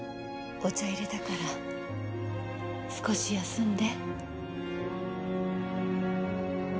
お茶いれたから少し休んで。